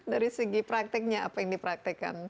dari segi prakteknya apa yang dipraktekkan